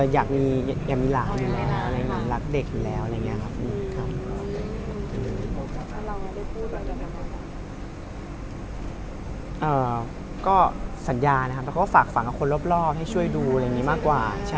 อยากมีหลานอยู่แล้วรักเด็กอยู่แล้ว